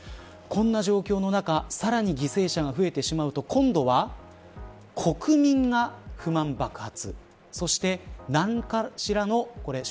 こんな状況の中さらに犠牲者が増えてしまうと今度は国民が不満爆発。